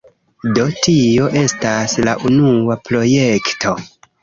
Do, tio estas la unua projekto